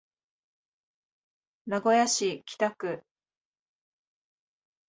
名古屋市北区